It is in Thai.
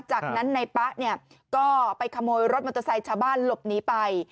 จากนั้นนายป๊ะเนี่ยก็ไปขโมยรถมอเตอร์ไซค์ชาวบ้านหลบหนีไป